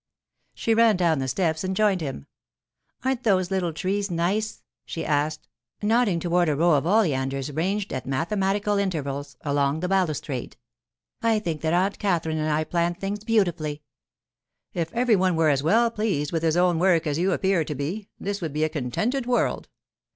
She ran down the steps and joined him. 'Aren't those little trees nice?' she asked, nodding toward a row of oleanders ranged at mathematical intervals along the balustrade. 'I think that Aunt Katherine and I planned things beautifully!' 'If every one were as well pleased with his own work as you appear to be, this would be a contented world.